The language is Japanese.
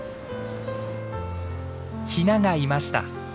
ヒナがいました。